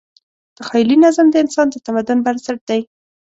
تخیلي نظم د انسان د تمدن بنسټ دی.